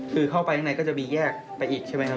คือเข้าไปข้างในก็จะมีแยกไปอีกใช่ไหมครับ